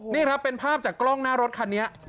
นี่ครับเป็นภาพจากกล้องหน้ารถคันนี้